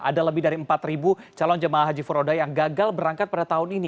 ada lebih dari empat calon jemaah haji furoda yang gagal berangkat pada tahun ini